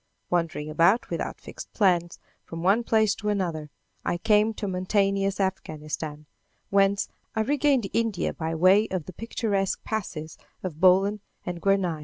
Wandering about without fixed plans, from one place to another, I came to mountainous Afghanistan, whence I regained India by way of the picturesque passes of Bolan and Guernaï.